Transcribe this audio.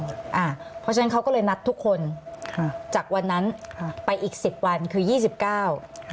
เพราะฉะนั้นเขาก็เลยนัดทุกคนจากวันนั้นไปอีก๑๐วันคือ๒๙ค่ะ